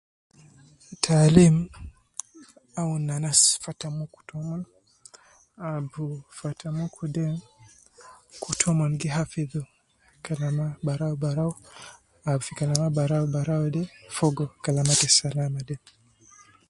Taalim awun anas fata muku tomon, ab fata muku de, kutu omon gi hafidhi kalama barau barau ab fi kalama barau barau de fogo kalama te salama de